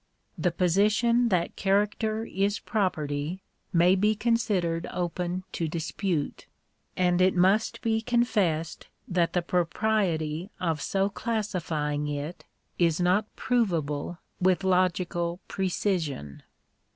The position that character is property may be considered open to dispute; and it must be confessed that the propriety of so classifying it is not proveable with logical precision.